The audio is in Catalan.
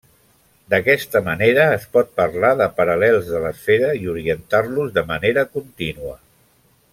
D'aquesta manera es pot parlar de paral·lels de l'esfera i orientar-los de manera contínua.